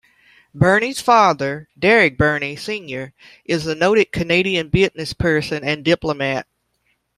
Burney's father, Derek Burney Senior is a noted Canadian businessperson and diplomat.